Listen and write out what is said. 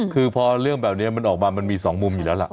คือพอเรื่องแบบนี้มันออกมามันมี๒มุมอยู่แล้วล่ะ